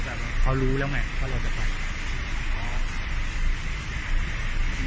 ภาษาโรงงานติดตาม